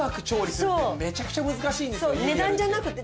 そう値段じゃなくて。